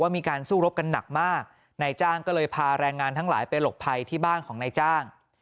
มากนายจ้างก็เลยพาแรงงานทั้งหลายไปหลบภัยที่บ้านของนายจ้าง